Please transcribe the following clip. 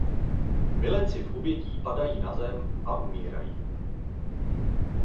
Milenci v objetí padají na zem a umírají.